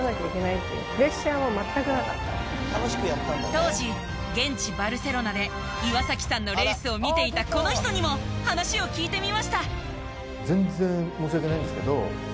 当時現地バルセロナで岩崎さんのレースを見ていたこの人にも話を聞いてみました。